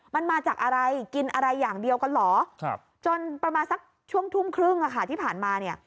มันมาจากอะไรกินอะไรอย่างเดียวกันเหรอจนประมาณสักช่วงทุ่มครึ่งที่ผ่านมาเนี่ย